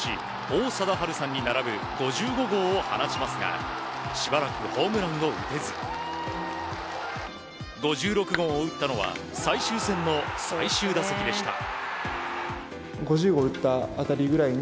王貞治さんに並ぶ５５号を放ちますがしばらくホームランを打てず５６号を打ったのは最終戦の最終打席でした。